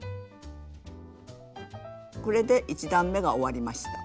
これで１段めが終わりました。